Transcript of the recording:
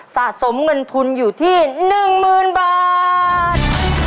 สะสมเงินทุนอยู่ที่หนึ่งหมื่นบาท